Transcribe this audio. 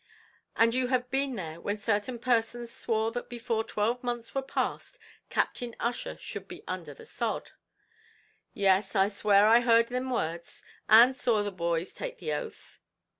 "And you have been there when certain persons swore that before twelve months were passed, Captain Ussher should be under the sod?" "Yes; I swear I heard thim words, and saw the boys take the oath."